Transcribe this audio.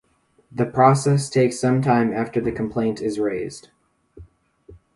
The process takes some time after the complaint is raised.